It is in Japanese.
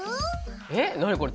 えっ何これ？